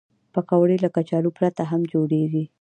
پکورې له کچالو پرته هم جوړېږي